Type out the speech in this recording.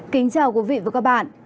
kính chào quý vị và các bạn